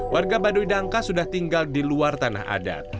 warga baduy dangka sudah tinggal di luar tanah adat